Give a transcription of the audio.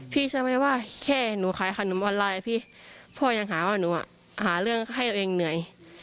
เชื่อไหมว่าแค่หนูขายขนมออนไลน์พี่พ่อยังหาว่าหนูหาเรื่องให้ตัวเองเหนื่อย